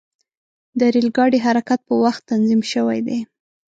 د ریل ګاډي حرکت په وخت تنظیم شوی دی.